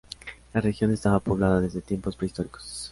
La región estaba poblada desde tiempos prehistóricos.